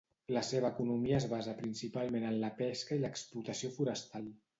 La seva economia es basa principalment en la pesca i l'explotació forestal.